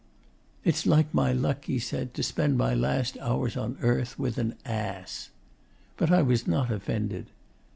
'It's like my luck,' he said, 'to spend my last hours on earth with an ass.' But I was not offended.